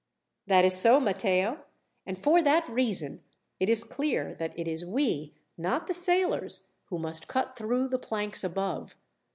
"That is so, Matteo, and for that reason, it is clear that it is we, not the sailors, who must cut through the planks above.